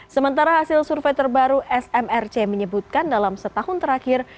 sementara hasil survei terbaru smrc menyebutkan dalam setahun terakhir